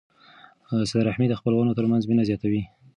صله رحمي د خپلوانو ترمنځ مینه زیاتوي.